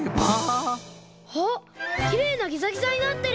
あっきれいなギザギザになってる！